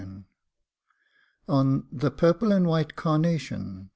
169 ON THE PURPLE AND WHITE CARNATION.